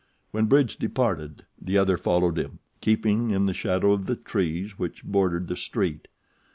When Bridge departed the other followed him, keeping in the shadow of the trees which bordered the street.